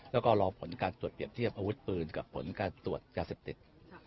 แล้วก็รอผลการตรวจเปรียบเทียบอาวุธปืนกับผลการตรวจยาเสพติด